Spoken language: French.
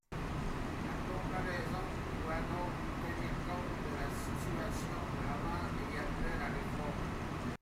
La comparaison doit donc tenir compte de la situation avant et après la réforme.